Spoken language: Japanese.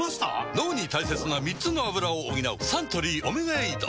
脳に大切な３つのアブラを補うサントリー「オメガエイド」